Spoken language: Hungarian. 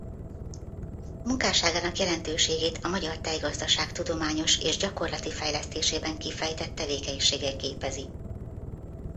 Munkásságának jelentőségét a magyar tejgazdaság tudományos és gyakorlati fejlesztésében kifejtett tevékenysége képezi.